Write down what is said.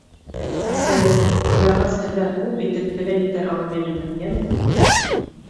— Әсәй, ҙурайғас, һеҙгә күп итеп перәниктәр алып бирермен, йәме.